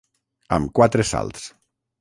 Amb quatre salts.